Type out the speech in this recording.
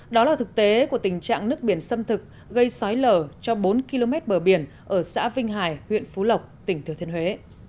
đó là thực tế của tình trạng nước biển xâm thực gây xói lở cho bốn km bờ biển ở xã vinh hải huyện phú lộc tỉnh thừa thiên huế